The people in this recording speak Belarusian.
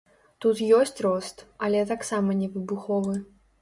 Тут ёсць рост, але таксама не выбуховы.